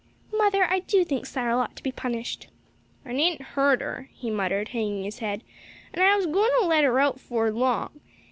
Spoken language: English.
"Mother, I do think Cyril ought to be punished." "I didn't hurt her," he muttered, hanging his head; "and I was goin' to let her out 'fore long.